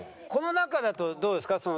この中だとどうですか？